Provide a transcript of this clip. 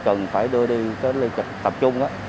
đưa đi cách ly tập trung